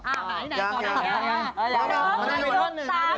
อ่ามาไหนก่อน